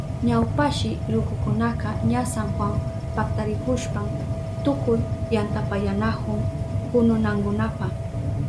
Ñawpashi rukukunaka ña San Juan paktarihushpan tukuy yantapayanahun kununankunapa.